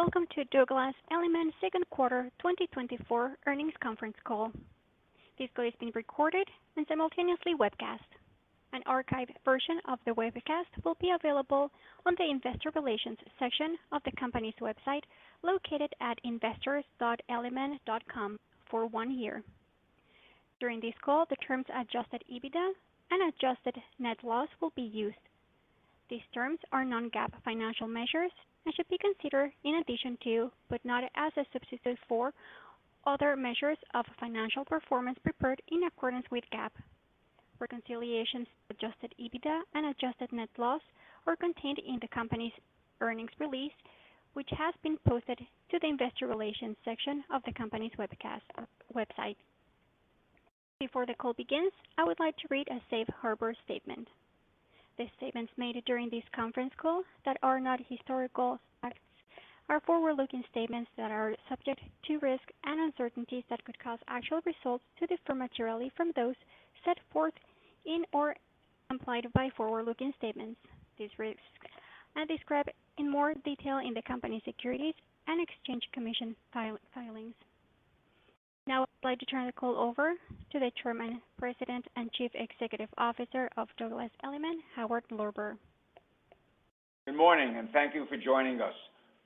Welcome to Douglas Elliman Second Quarter 2024 Earnings Conference Call. This call is being recorded and simultaneously webcast. An archived version of the webcast will be available on the Investor Relations section of the company's website, located at investors.elliman.com for one year. During this call, the terms Adjusted EBITDA and Adjusted net loss will be used. These terms are non-GAAP financial measures and should be considered in addition to, but not as a substitute for, other measures of financial performance prepared in accordance with GAAP. Reconciliations to Adjusted EBITDA and Adjusted net loss are contained in the company's earnings release, which has been posted to the Investor Relations section of the company's website. Before the call begins, I would like to read a safe harbor statement. The statements made during this conference call that are not historical facts are forward-looking statements that are subject to risks and uncertainties that could cause actual results to differ materially from those set forth in or implied by forward-looking statements. These risks are described in more detail in the company's Securities and Exchange Commission filings. Now I'd like to turn the call over to the Chairman, President, and Chief Executive Officer of Douglas Elliman, Howard Lorber. Good morning, and thank you for joining us.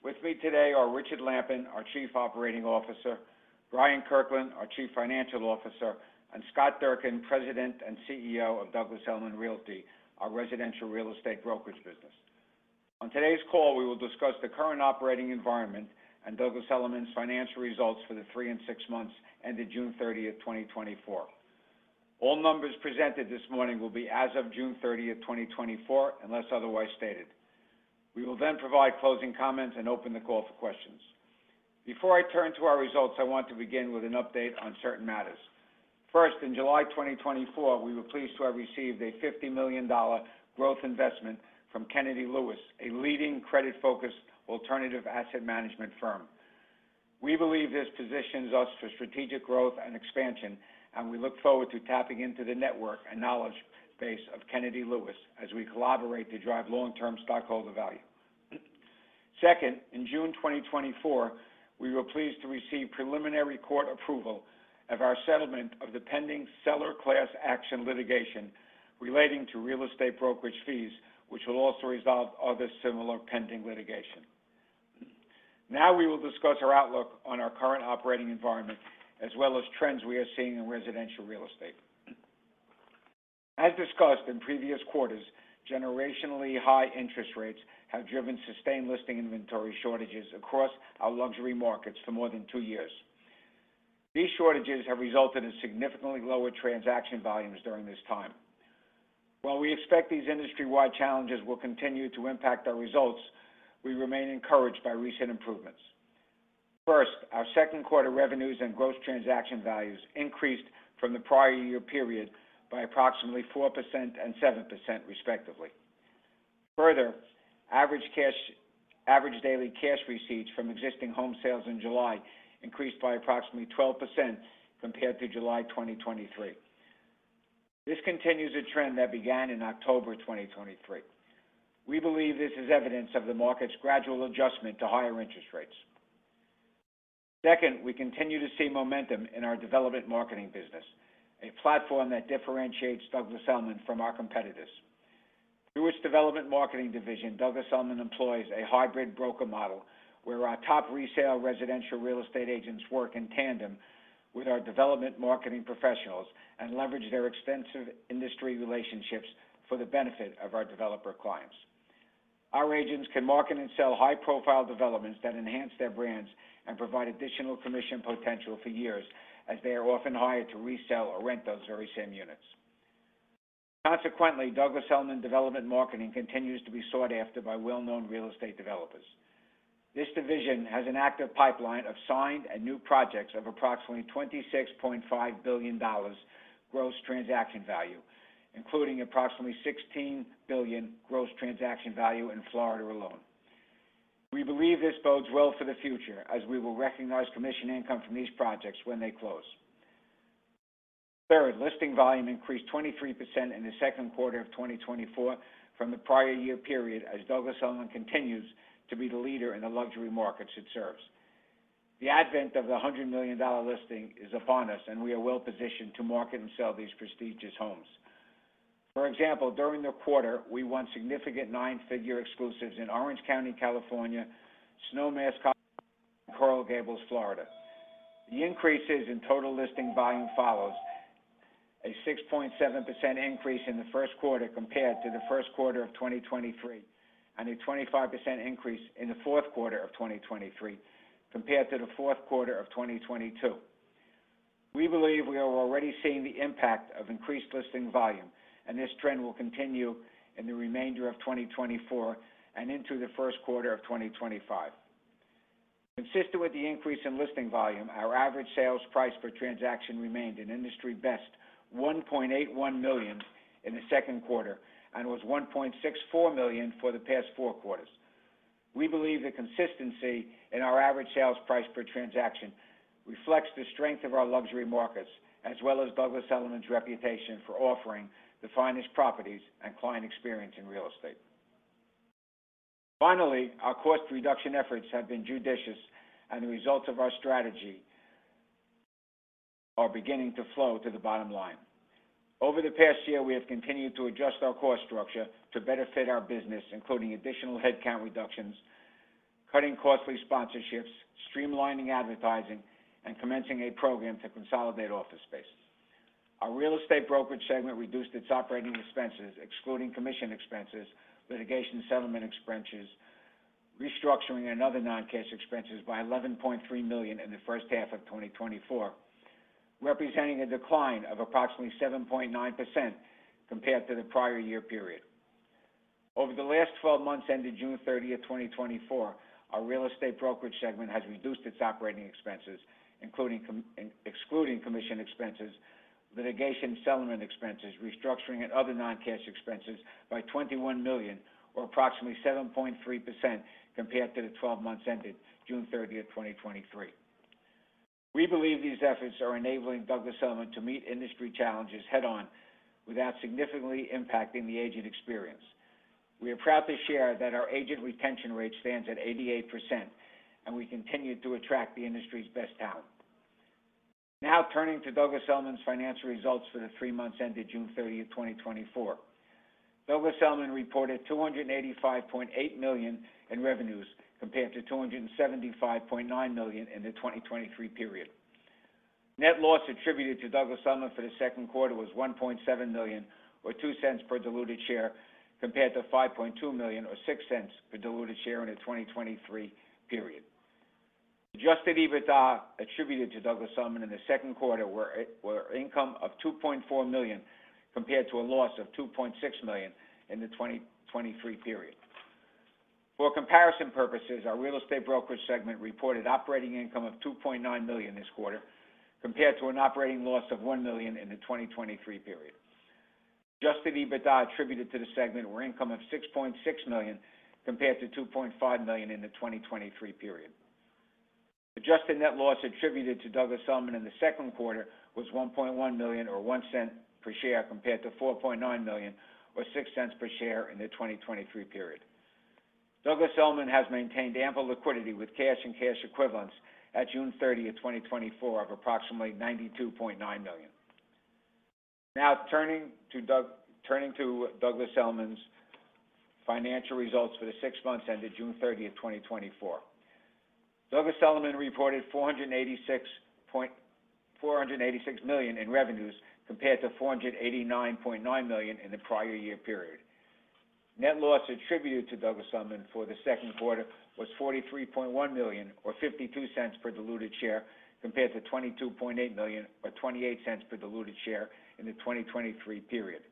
With me today are Richard Lampen, our Chief Operating Officer; Brian Kirkland, our Chief Financial Officer; and Scott Durkin, President and CEO of Douglas Elliman Realty, our residential real estate brokerage business. On today's call, we will discuss the current operating environment and Douglas Elliman's financial results for the three and six months ended. All numbers presented this morning will be as of, unless otherwise stated. We will then provide closing comments and open the call for questions. Before I turn to our results, I want to begin with an update on certain matters. First, in July 2024, we were pleased to have received a $50 million growth investment from Kennedy Lewis, a leading credit-focused alternative asset management firm. We believe this positions us for strategic growth and expansion, and we look forward to tapping into the network and knowledge base of Kennedy Lewis as we collaborate to drive long-term stockholder value. Second, in June 2024, we were pleased to receive preliminary court approval of our settlement of the pending seller class action litigation relating to real estate brokerage fees, which will also resolve other similar pending litigation. Now, we will discuss our outlook on our current operating environment, as well as trends we are seeing in residential real estate. As discussed in previous quarters, generationally, high interest rates have driven sustained listing inventory shortages across our luxury markets for more than two years. These shortages have resulted in significantly lower transaction volumes during this time. While we expect these industry-wide challenges will continue to impact our results, we remain encouraged by recent improvements. First, our second quarter revenues and gross transaction values increased from the prior year period by approximately 4% and 7%, respectively. Further, average daily cash receipts from existing home sales in July increased by approximately 12% compared to July 2023. This continues a trend that began in October 2023. We believe this is evidence of the market's gradual adjustment to higher interest rates. Second, we continue to see momentum in our development marketing business, a platform that differentiates Douglas Elliman from our competitors. Through its development marketing division, Douglas Elliman employs a hybrid broker model, where our top resale residential real estate agents work in tandem with our development marketing professionals and leverage their extensive industry relationships for the benefit of our developer clients. Our agents can market and sell high-profile developments that enhance their brands and provide additional commission potential for years, as they are often hired to resell or rent those very same units. Consequently, Douglas Elliman Development Marketing continues to be sought after by well-known real estate developers. This division has an active pipeline of signed and new projects of approximately $26.5 billion gross transaction value, including approximately $16 billion gross transaction value in Florida alone. We believe this bodes well for the future, as we will recognize commission income from these projects when they close. Third, listing volume increased 23% in the second quarter of 2024 from the prior year period, as Douglas Elliman continues to be the leader in the luxury markets it serves. The advent of the $100 million-dollar listing is upon us, and we are well positioned to market and sell these prestigious homes. For example, during the quarter, we won significant nine-figure exclusives in Orange County, California, Snowmass, Coral Gables, Florida. The increases in total listing volume follows a 6.7% increase in the first quarter compared to the first quarter of 2023, and a 25% increase in the fourth quarter of 2023 compared to the fourth quarter of 2022. We believe we are already seeing the impact of increased listing volume, and this trend will continue in the remainder of 2024 and into the first quarter of 2025. Consistent with the increase in listing volume, our average sales price per transaction remained an industry best, $1.81 million in the second quarter and was $1.64 million for the past four quarters. We believe the consistency in our average sales price per transaction reflects the strength of our luxury markets, as well as Douglas Elliman's reputation for offering the finest properties and client experience in real estate. Finally, our cost reduction efforts have been judicious, and the results of our strategy are beginning to flow to the bottom line. Over the past year, we have continued to adjust our cost structure to better fit our business, including additional headcount reductions, cutting costly sponsorships, streamlining advertising, and commencing a program to consolidate office space. Our real estate brokerage segment reduced its operating expenses, excluding commission expenses, litigation settlement expenses, restructuring, and other non-cash expenses by $11.3 million in the first half of 2024, representing a decline of approximately 7.9% compared to the prior year period. Over the last 12 months, ended June 30th, 2024, our real estate brokerage segment has reduced its operating expenses, excluding commission expenses, litigation, settlement expenses, restructuring, and other non-cash expenses by $21 million, or approximately 7.3% compared to the 12 months ended June 30, 2023. We believe these efforts are enabling Douglas Elliman to meet industry challenges head-on without significantly impacting the agent experience. We are proud to share that our agent retention rate stands at 88%, and we continue to attract the industry's best talent. Now, turning to Douglas Elliman's financial results for the three months ended. Douglas Elliman reported $285.8 million in revenues compared to $275.9 million in the 2023 period. Net loss attributed to Douglas Elliman for the second quarter was $1.7 million, or $0.02 per diluted share, compared to $5.2 million or $0.06 per diluted share in the 2023 period. Adjusted EBITDA attributed to Douglas Elliman in the second quarter were income of $2.4 million, compared to a loss of $2.6 million in the 2023 period. For comparison purposes, our real estate brokerage segment reported operating income of $2.9 million this quarter, compared to an operating loss of $1 million in the 2023 period. Adjusted EBITDA attributed to the segment were income of $6.6 million, compared to $2.5 million in the 2023 period. Adjusted net loss attributed to Douglas Elliman in the second quarter was $1.1 million or $0.01 per share, compared to $4.9 million or $0.06 per share in the 2023 period. Douglas Elliman has maintained ample liquidity with cash and cash equivalents at June thirtieth, 2024, of approximately $92.9 million. Now, turning to Douglas Elliman's financial results for the six months ended. Douglas Elliman reported $486 million in revenues, compared to $489.9 million in the prior year period. Net loss attributed to Douglas Elliman for the second quarter was $43.1 million or $0.52 per diluted share, compared to $22.8 million or $0.28 per diluted share in the 2023 period.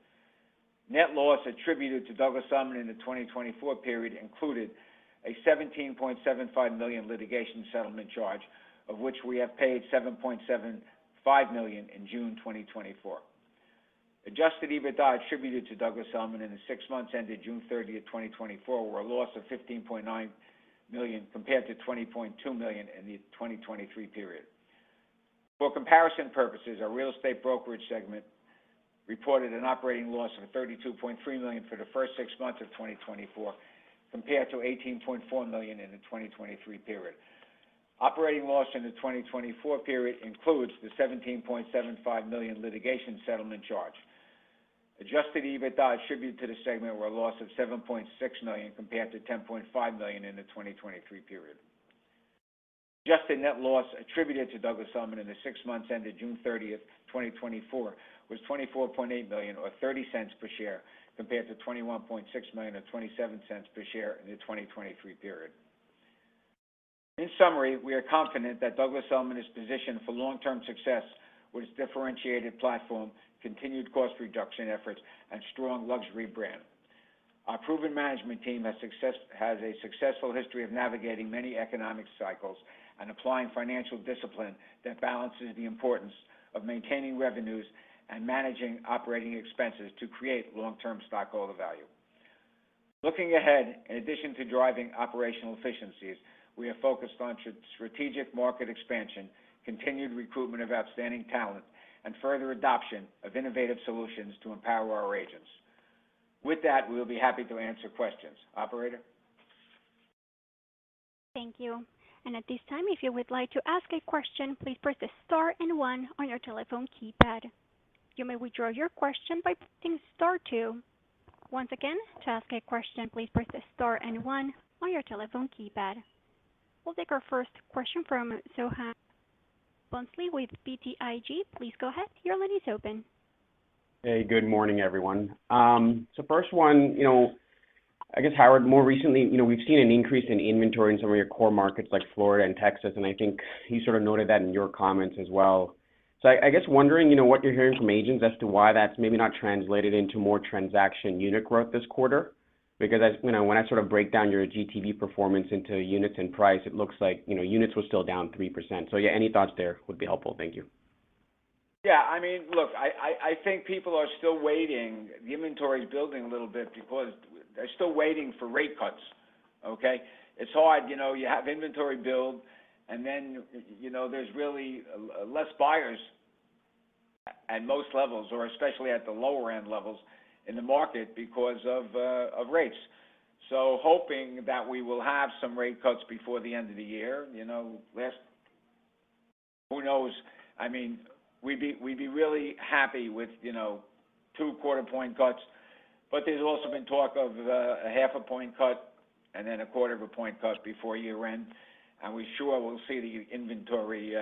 Net loss attributed to Douglas Elliman in the 2024 period included a $17.75 million litigation settlement charge, of which we have paid $7.75 million in June 2024. Adjusted EBITDA attributed to Douglas Elliman in the six months ended June 30th, 2024, were a loss of $15.9 million, compared to $20.2 million in the 2023 period. For comparison purposes, our real estate brokerage segment reported an operating loss of $32.3 million for the first six months of 2024, compared to $18.4 million in the 2023 period. Operating loss in the 2024 period includes the $17.75 million litigation settlement charge. Adjusted EBITDA attributed to the segment were a loss of $7.6 million, compared to $10.5 million in the 2023 period. Adjusted net loss attributed to Douglas Elliman in the six months ended June 30th, 2024, was $24.8 million, or $0.30 per share, compared to $21.6 million or $0.27 per share in the 2023 period. In summary, we are confident that Douglas Elliman is positioned for long-term success with its differentiated platform, continued cost reduction efforts, and strong luxury brand. Our proven management team has a successful history of navigating many economic cycles and applying financial discipline that balances the importance of maintaining revenues and managing operating expenses to create long-term stockholder value. Looking ahead, in addition to driving operational efficiencies, we are focused on strategic market expansion, continued recruitment of outstanding talent, and further adoption of innovative solutions to empower our agents. With that, we will be happy to answer questions. Operator? Thank you. At this time, if you would like to ask a question, please press star and one on your telephone keypad. You may withdraw your question by pressing star two. Once again, to ask a question, please press star and one on your telephone keypad. We'll take our first question from Soham Bhonsle with BTIG. Please go ahead. Your line is open. Hey, good morning, everyone. So first one, you know, I guess, Howard, more recently, you know, we've seen an increase in inventory in some of your core markets like Florida and Texas, and I think you sort of noted that in your comments as well. So I guess wondering, you know, what you're hearing from agents as to why that's maybe not translated into more transaction unit growth this quarter? Because, as you know, when I sort of break down your GTV performance into units and price, it looks like, you know, units were still down 3%. So yeah, any thoughts there would be helpful. Thank you. Yeah, I mean, look, I think people are still waiting. The inventory is building a little bit because they're still waiting for rate cuts, okay? It's hard, you know, you have inventory build, and then, you know, there's really less buyers at most levels, or especially at the lower-end levels in the market because of rates. So hoping that we will have some rate cuts before the end of the year, you know, who knows? I mean, we'd be really happy with, you know, two quarter point cuts, but there's also been talk of a half a point cut and then a quarter of a point cut before year-end. And we're sure we'll see the inventory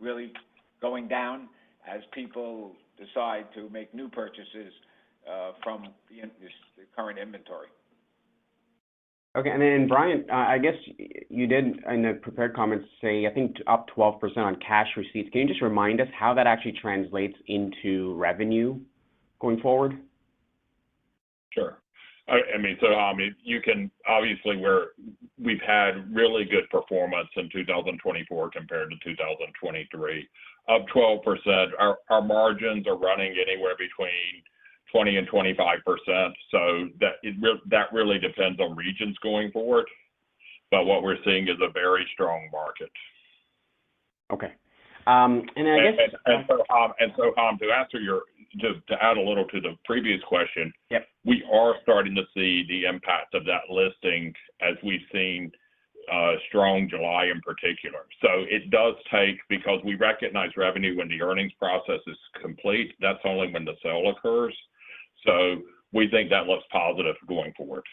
really going down as people decide to make new purchases from the current inventory. Okay, and then, Brian, I guess you did in the prepared comments say, I think, up 12% on cash receipts. Can you just remind us how that actually translates into revenue going forward? Sure. I mean, so you can obviously we've had really good performance in 2024 compared to 2023. Up 12%, our margins are running anywhere between 20% and 25, so that really depends on regions going forward. But what we're seeing is a very strong market. Okay, and I guess- To answer your... To add a little to the previous question- Yep. We are starting to see the impact of that listing as we've seen strong July in particular. So it does take, because we recognize revenue when the earnings process is complete, that's only when the sale occurs. So we think that looks positive going forward.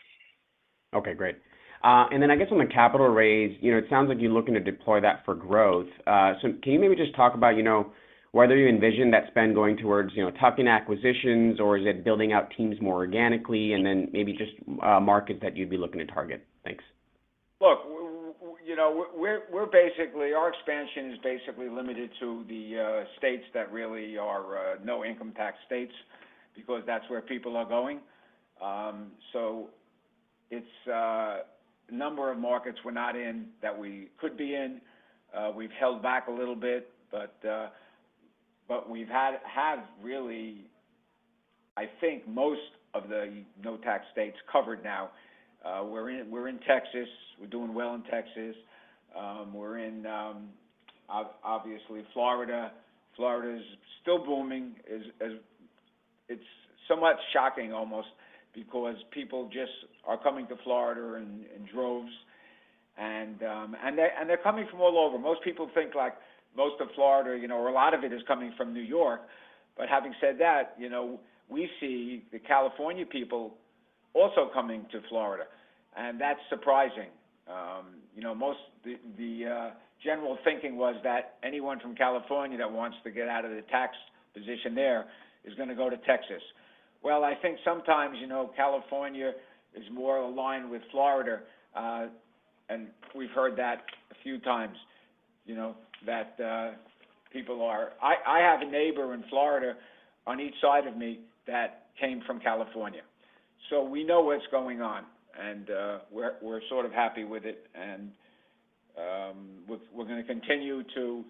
Okay, great. And then I guess on the capital raise, you know, it sounds like you're looking to deploy that for growth. So can you maybe just talk about, you know, whether you envision that spend going towards, you know, tuck-in acquisitions, or is it building out teams more organically, and then maybe just market that you'd be looking to target? Thanks. Look, you know, our expansion is basically limited to the states that really are no income tax states, because that's where people are going. So it's a number of markets we're not in, that we could be in. We've held back a little bit, but we have really, I think, most of the no tax states covered now. We're in Texas. We're doing well in Texas. We're in, obviously, Florida. Florida is still booming. It's somewhat shocking almost, because people just are coming to Florida in droves, and they're coming from all over. Most people think, like, most of Florida, you know, or a lot of it is coming from New York. But having said that, you know, we see the California people also coming to Florida, and that's surprising. You know, the general thinking was that anyone from California that wants to get out of the tax position there is gonna go to Texas. Well, I think sometimes, you know, California is more aligned with Florida, and we've heard that a few times, you know, that people are... I have a neighbor in Florida on each side of me that came from California, so we know what's going on, and we're sort of happy with it. And we're gonna continue to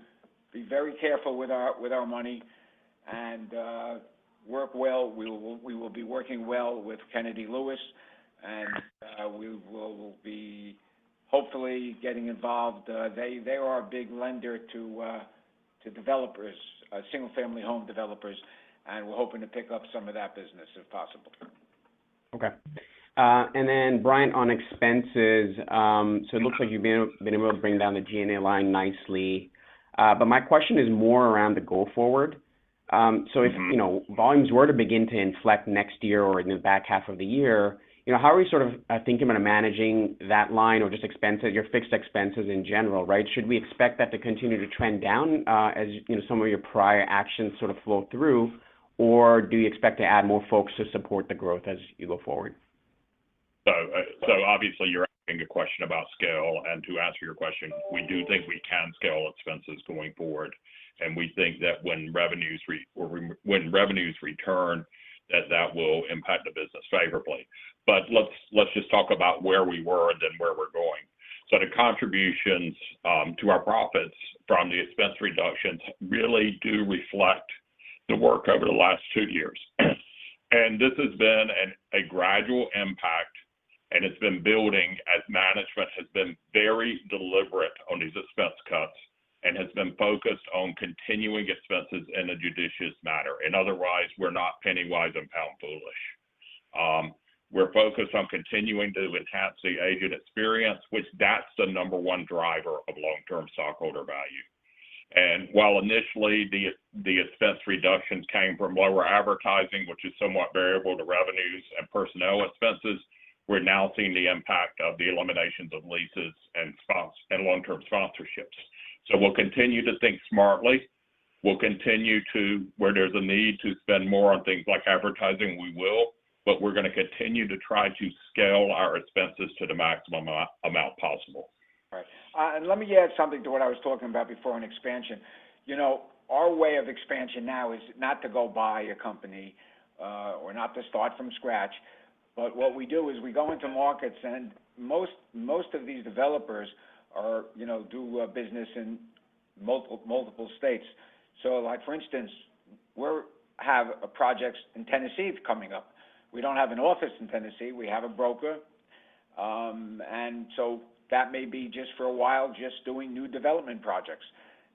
be very careful with our money and work well. We will be working well with Kennedy Lewis, and we will be hopefully getting involved. They are a big lender to developers, single-family home developers, and we're hoping to pick up some of that business, if possible. Okay. And then Brian, on expenses, so it looks like you've been able to bring down the G&A line nicely. But my question is more around the go forward. Mm-hmm. So if, you know, volumes were to begin to inflect next year or in the back half of the year, you know, how are we sort of thinking about managing that line or just expenses, your fixed expenses in general, right? Should we expect that to continue to trend down, as, you know, some of your prior actions sort of flow through, or do you expect to add more folks to support the growth as you go forward? So obviously, you're asking a question about scale. To answer your question, we do think we can scale expenses going forward, and we think that when revenues return, that will impact the business favorably. But let's just talk about where we were and then where we're going. So the contributions to our profits from the expense reductions really do reflect the work over the last two years. And this has been a gradual impact, and it's been building as management has been very deliberate on these expense cuts and has been focused on continuing expenses in a judicious manner. And otherwise, we're not penny-wise and pound-foolish. We're focused on continuing to enhance the agent experience, which is the number one driver of long-term stockholder value. While initially, the expense reductions came from lower advertising, which is somewhat variable to revenues and personnel expenses, we're now seeing the impact of the eliminations of leases and sponsorships. So we'll continue to think smartly. We'll continue to, where there's a need to spend more on things like advertising, we will, but we're gonna continue to try to scale our expenses to the maximum amount possible. Right. And let me add something to what I was talking about before on expansion. You know, our way of expansion now is not to go buy a company, or not to start from scratch. But what we do is we go into markets, and most of these developers are, you know, do business in multiple states. So like, for instance, we have projects in Tennessee coming up. We don't have an office in Tennessee; we have a broker. And so that may be just for a while, just doing new development projects,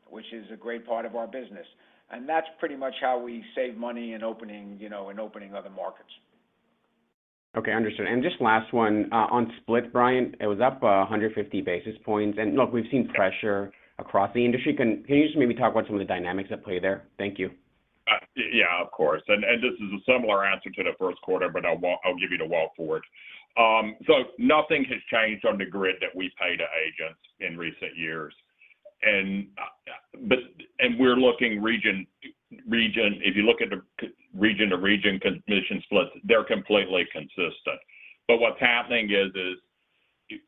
which is a great part of our business. And that's pretty much how we save money in opening, you know, in opening other markets. Okay, understood. And just last one, on split, Brian, it was up 150 basis points. And look, we've seen pressure across the industry. Can you just maybe talk about some of the dynamics at play there? Thank you. Yeah, of course. And this is a similar answer to the first quarter, but I'll give you the walk forward. So nothing has changed on the grid that we pay to agents in recent years. And we're looking region to region—if you look at the region-to-region commission splits, they're completely consistent. But what's happening is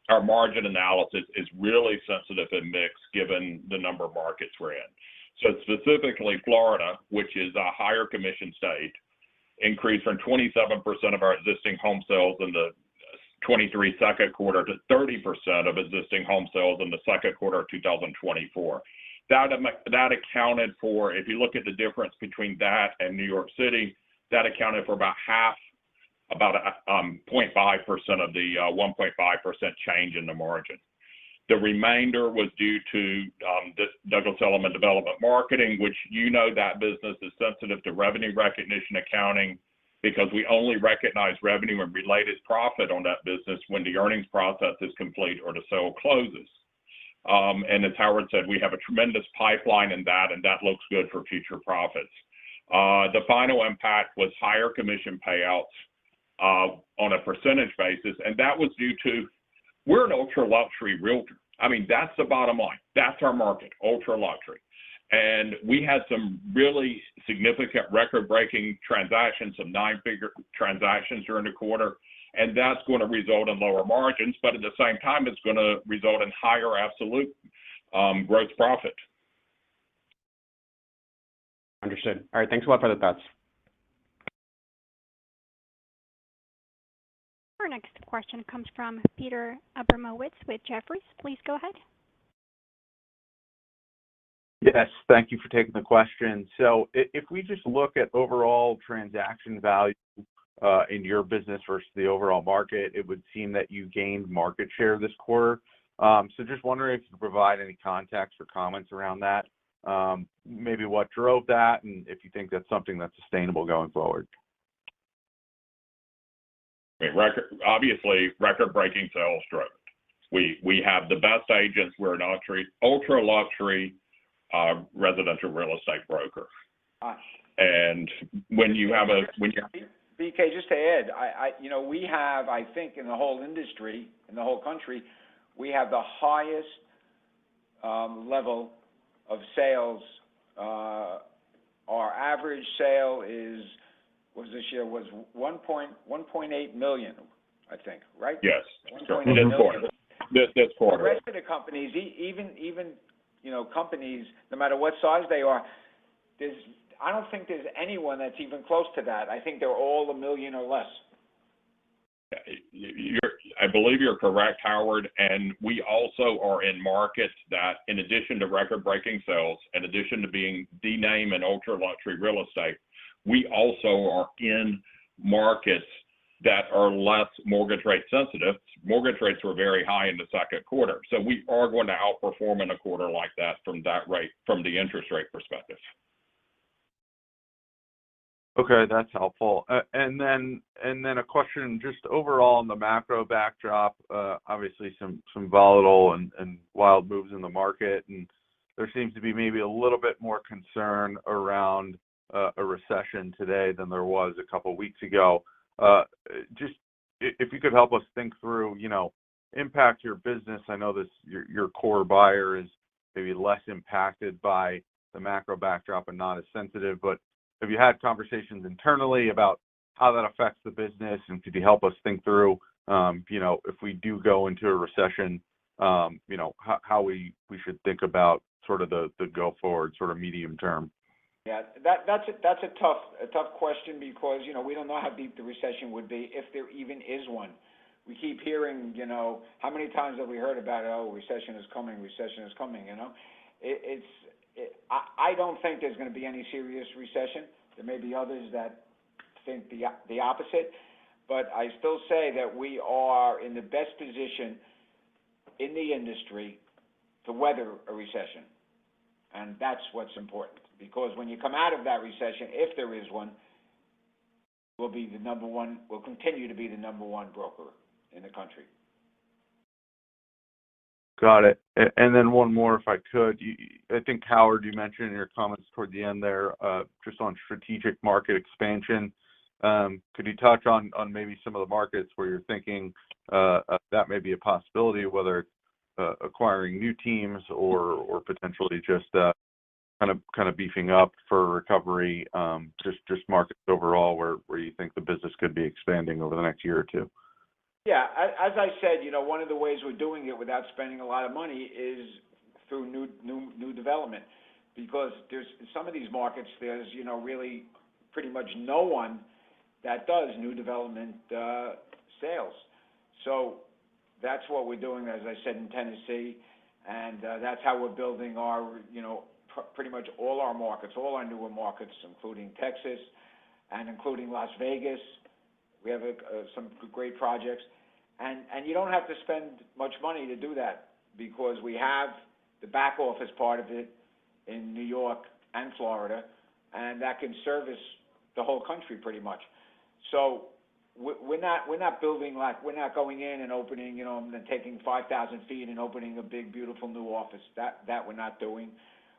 our margin analysis is really sensitive in mix, given the number of markets we're in. So specifically, Florida, which is a higher commission state, increased from 27% of our existing home sales in the 2023 second quarter to 30% of existing home sales in the second quarter of 2024. That accounted for. If you look at the difference between that and New York City, that accounted for about half, about 0.5% of the 1.5% change in the margin. The remainder was due to the Douglas Elliman Development Marketing, which you know that business is sensitive to revenue recognition accounting, because we only recognize revenue and related profit on that business when the earnings process is complete or the sale closes. And as Howard said, we have a tremendous pipeline in that, and that looks good for future profits. The final impact was higher commission payouts on a percentage basis, and that was due to we're an ultra-luxury realtor. I mean, that's the bottom line. That's our market, ultra-luxury. We had some really significant record-breaking transactions, some nine-figure transactions during the quarter, and that's gonna result in lower margins, but at the same time, it's gonna result in higher absolute growth profit. Understood. All right. Thanks a lot for the thoughts. Our next question comes from Peter Abramowitz with Jefferies. Please go ahead. Yes, thank you for taking the question. So if we just look at overall transaction value, in your business versus the overall market, it would seem that you gained market share this quarter. So just wondering if you could provide any context or comments around that, maybe what drove that, and if you think that's something that's sustainable going forward? Obviously, record-breaking sales drove it. We have the best agents. We're an ultra, ultra-luxury residential real estate broker. Gotcha. And when you have Just to add, you know, we have, I think, in the whole industry, in the whole country, we have the highest level of sales. Our average sale is, what was it this year? Was $1.8 million, I think, right? Yes. $1.8 million. This quarter. The rest of the companies, even, you know, companies, no matter what size they are. There's I don't think there's anyone that's even close to that. I think they're all a million or less. Yeah, I believe you're correct, Howard. And we also are in markets that in addition to record-breaking sales, in addition to being the name in ultra-luxury real estate, we also are in markets that are less mortgage rate sensitive. Mortgage rates were very high in the second quarter, so we are going to outperform in a quarter like that from that rate, from the interest rate perspective. Okay, that's helpful. And then a question, just overall on the macro backdrop, obviously some volatile and wild moves in the market, and there seems to be maybe a little bit more concern around a recession today than there was a couple of weeks ago. Just if you could help us think through, you know, impact to your business. I know this, your core buyer is maybe less impacted by the macro backdrop and not as sensitive, but have you had conversations internally about how that affects the business? And could you help us think through, you know, if we do go into a recession, you know, how we should think about sort of the go-forward sort of medium term? Yeah, that's a tough question because, you know, we don't know how deep the recession would be, if there even is one. We keep hearing, you know, how many times have we heard about, "Oh, recession is coming, recession is coming," you know? It's, I don't think there's going to be any serious recession. There may be others that think the opposite, but I still say that we are in the best position in the industry to weather a recession. And that's what's important, because when you come out of that recession, if there is one, we'll be the number one—we'll continue to be the number one broker in the country. Got it. And then one more, if I could. I think, Howard, you mentioned in your comments toward the end there, just on strategic market expansion. Could you touch on maybe some of the markets where you're thinking that may be a possibility, whether it's acquiring new teams or potentially just kind of beefing up for recovery, just markets overall, where you think the business could be expanding over the next year or two? Yeah, as I said, you know, one of the ways we're doing it without spending a lot of money is through new, new, new development. Because there's in some of these markets, there's, you know, really pretty much no one that does new development sales. So that's what we're doing, as I said, in Tennessee, and that's how we're building our, you know, pretty much all our markets, all our newer markets, including Texas and including Las Vegas. We have some great projects. And you don't have to spend much money to do that because we have the back office part of it in New York and Florida, and that can service the whole country pretty much. So we're not, we're not building like. We're not going in and opening, you know, and then taking 5,000 sq ft and opening a big, beautiful new office. That, that we're not doing.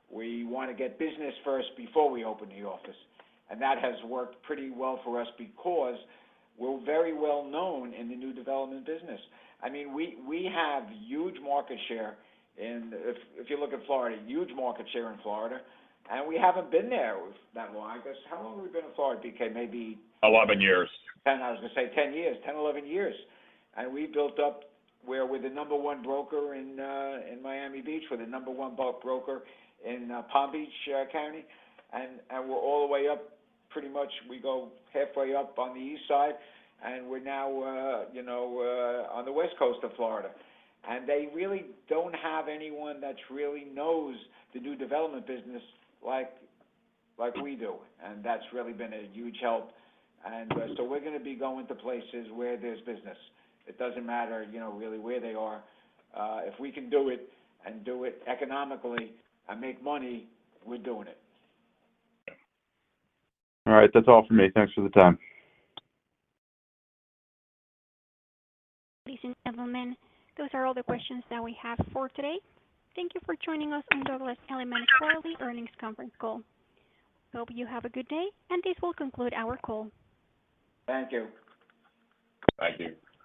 We want to get business first before we open the office, and that has worked pretty well for us because we're very well known in the new development business. I mean, we, we have huge market share in, if, if you look at Florida, huge market share in Florida, and we haven't been there that long. I guess, how long have we been in Florida, DK? Maybe- Eleven years. 10, I was gonna say 10 years. 10, 11 years. And we built up where we're the number one broker in Miami Beach. We're the number one boat broker in Palm Beach County, and we're all the way up. Pretty much, we go halfway up on the east side, and we're now, you know, on the west coast of Florida. And they really don't have anyone that really knows the new development business like we do, and that's really been a huge help. And so we're gonna be going to places where there's business. It doesn't matter, you know, really where they are. If we can do it and do it economically and make money, we're doing it. All right. That's all for me. Thanks for the time. Ladies and gentlemen, those are all the questions that we have for today. Thank you for joining us on Douglas Elliman's Quarterly Earnings Conference Call. Hope you have a good day, and this will conclude our call. Thank you. Thank you.